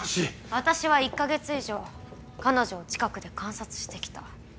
私は１か月以上彼女を近くで観察して来た。